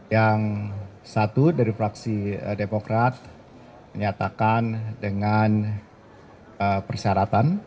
yang satu dari fraksi demokrat menyatakan dengan persyaratan